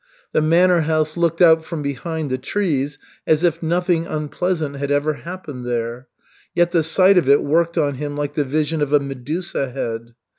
The manor house looked out from behind the trees as if nothing unpleasant had ever happened there; yet the sight of it worked on him like the vision of a Medusa head.